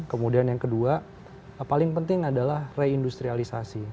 kemudian yang kedua paling penting adalah reindustrialisasi